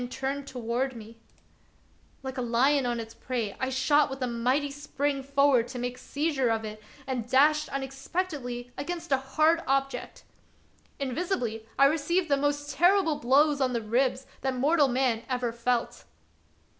68 The Wonderful History a lion on its prey, I shot with a mighty spring forward to make seizure of it, and dashed unex pectedly against a hard object. Invisibly I re ceived the most terrible blows on the ribs that mortal man ever felt.